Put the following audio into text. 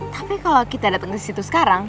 tapi kalo kita dateng ke situ sekarang